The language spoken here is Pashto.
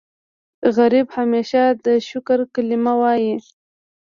غریب همیشه د شکر کلمه وايي